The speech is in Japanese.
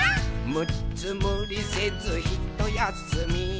「むっつむりせずひとやすみ」